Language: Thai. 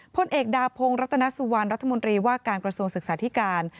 พลเอกดาพงศ์รัตนสุวรรณรัฐมนตรีว่าการกระทรวงศึกษาธิการ